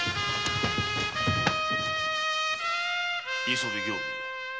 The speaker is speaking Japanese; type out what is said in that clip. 磯部刑部。